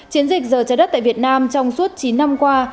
chiến dịch giờ trái đất tại việt nam trong suốt chín năm qua